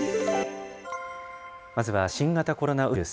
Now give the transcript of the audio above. まずは新型コロナウイルス。